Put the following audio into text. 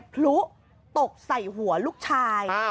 พลุตกใส่หัวลูกชาย